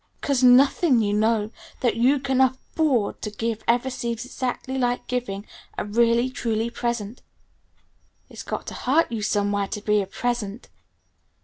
'Cause nothing, you know, that you can afford to give ever seems exactly like giving a really, truly present. It's got to hurt you somewhere to be a 'present'.